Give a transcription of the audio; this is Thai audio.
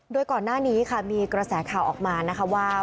ด้วยก่อนหน้านี้มีกระแสข่าวออกมาว่า